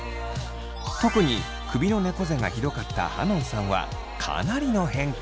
特に首のねこ背がひどかったはのんさんはかなりの変化！